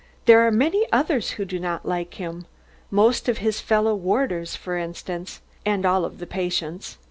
"There are many others who do not like him most of his fellow warders for instance, and all of the patients.